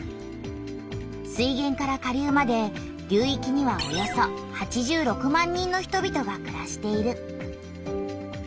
水げんから下流まで流いきにはおよそ８６万人の人々がくらしている。